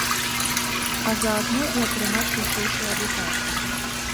А заадно і атрымаць вышэйшую адукацыю.